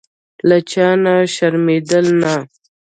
له چا نه شرمېدل نه.